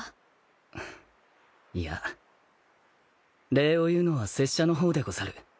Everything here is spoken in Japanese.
礼を言うのは拙者の方でござる。